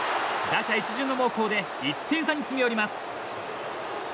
打者一巡の猛攻で１点差に詰め寄ります。